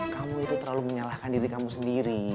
kamu itu terlalu menyalahkan diri kamu sendiri